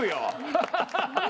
ハハハハ！